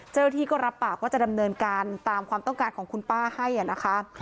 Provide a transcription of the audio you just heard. เจ้าหน้าที่ก็รับปากว่าจะดำเนินการตามความต้องการของคุณป้าให้นะคะ